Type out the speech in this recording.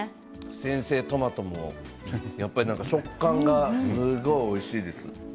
先生トマトもやっぱり食感がすごいおいしいですよ。